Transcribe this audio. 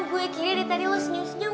gue kira dari tadi lo senyum senyum